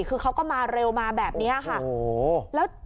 คือเขาก็มาเร็วมาแบบนี้ค่ะ